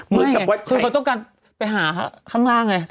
ไม่ไงเธอก็ต้องการไปหาข้ำล่างไง